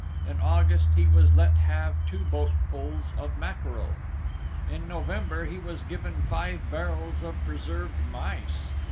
In August he was let have two boatfuls of mackerel. In November he was given five barrels of preserved mice.